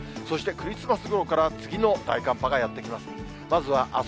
そしてクリスマスごろから次の大寒波がやって来ます。